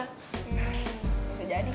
hmm bisa jadi kan